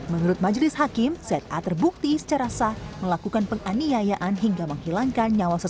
menurut majelis hakim za terbukti secara sah melakukan penganiayaan hingga menghilangkan nyawa seseorang